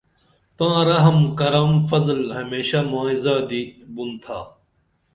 تاں رحم کرم فضل ہمیشہ مائی زادی بن تھا